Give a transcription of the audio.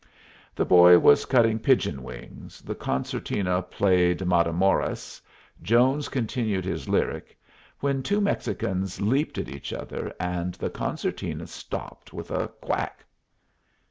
The boy was cutting pigeon wings, the concertina played "Matamoras," Jones continued his lyric, when two Mexicans leaped at each other, and the concertina stopped with a quack.